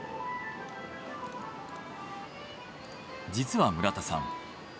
実は村田さん